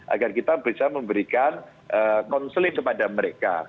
agar kita bisa memberikan konseling kepada mereka